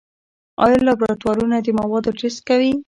آیا لابراتوارونه د موادو ټسټ کوي؟